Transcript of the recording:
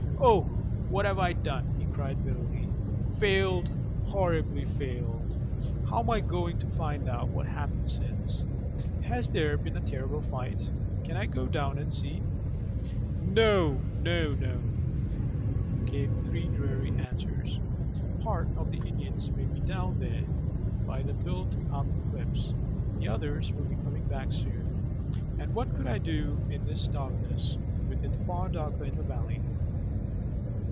Oh, what have I done?" he cried bitterly. "Failed horribly failed! Now how am I to find out what has happened since? Has there been a terrible fight? Can I go down now and see? "No no no," came three dreary answers. "Part of the Indians may be down there by the built up cliffs; the others will be coming back soon; and what could I do in this darkness, with it far darker in the valley?